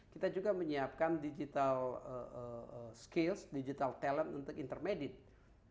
kita juga menyiapkan digital skills digital talent untuk intermediate